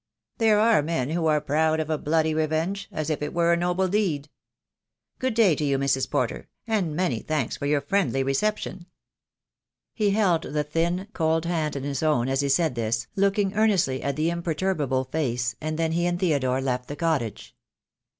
There are men who are proud of a bloody revenge, as if it were a The Day will come. II. g 130 THE DAY WILL COME. noble deed. Good day to you, Mrs. Porter, and many thanks for your friendly reception." He held the thin, cold hand in his own as he said this, looking earnestly at the imperturbable face, and then he and Theodore left the cottage.